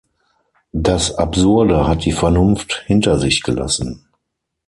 Das Absurde hat die Vernunft hinter sich gelassen.